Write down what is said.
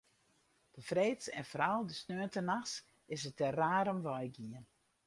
De freeds en foaral de sneontenachts is it der raar om wei gien.